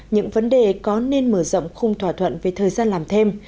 những vấn đề có nên mở rộng khung thỏa thuận về thời gian làm thêm